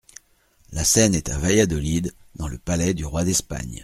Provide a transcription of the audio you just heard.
La scène est à Valladolid, dans le palais du roi d’Espagne.